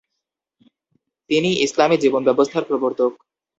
তিনি ইসলামি জীবনব্যবস্থার প্রবর্তক।